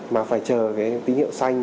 mà phải chờ cái tín hiệu xanh